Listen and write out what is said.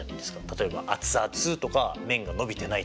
例えば熱々とか麺がのびてないとか。